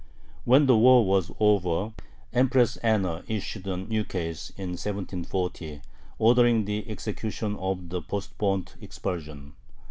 When the war was over, Empress Anna issued an ukase, in 1740, ordering the execution of the postponed expulsion.